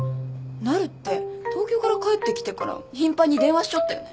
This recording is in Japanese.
なるって東京から帰ってきてから頻繁に電話しちょったよね。